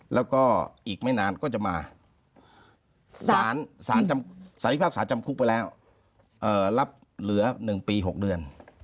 แล้วก็อีกไม่นานก็จะมาสารพิพากษาจำคุกไปแล้วรับเหลือ๑ปี๖เดือน